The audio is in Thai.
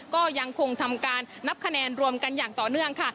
ก็ยังคงทำการนับคะแนนรวมกันอย่างต่อเนื่องค่ะ